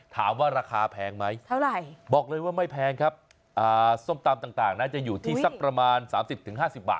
ถามว่าราคาแพงไหมเท่าไหร่บอกเลยว่าไม่แพงครับส้มตำต่างน่าจะอยู่ที่สักประมาณ๓๐๕๐บาท